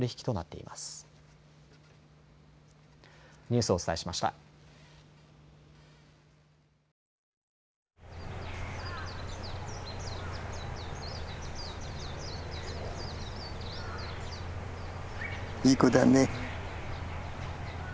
いい子だね。